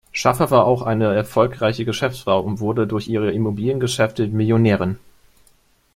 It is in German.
Schafer war auch eine erfolgreiche Geschäftsfrau und wurde durch ihre Immobiliengeschäfte Millionärin.